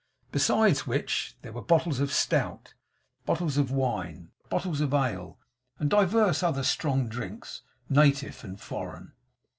Besides which, there were bottles of stout, bottles of wine, bottles of ale, and divers other strong drinks, native and foreign.